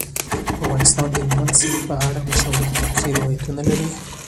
افغانستان د هلمند سیند په اړه مشهور تاریخی روایتونه لري.